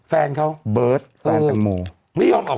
แฟนเขาเบิร์ตแฟนแตงโม